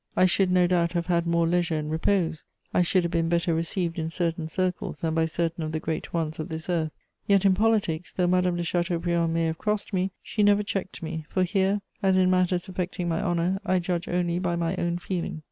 I should no doubt have had more leisure and repose; I should have been better received in certain circles and by certain of the great ones of this earth; yet in politics, though Madame de Chateaubriand may have crossed me, she never checked me, for here, as in matters affecting my honour, I judge only by my own feeling.